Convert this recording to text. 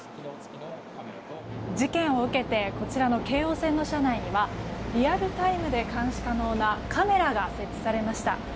事件を受けてこちらの京王線の車内にはリアルタイムで監視可能なカメラが設置されました。